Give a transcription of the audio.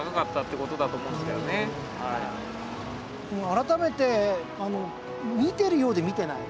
改めて見てるようで見てない。